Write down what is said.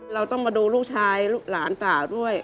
เราต้องมาดูลูกชายหลานสาวด้วย